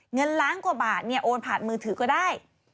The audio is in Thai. เงินล้านกว่าบาทเนี่ยโอนผ่านมือถือก็ได้